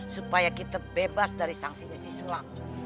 supaya kita bebas dari sanksinya si sulang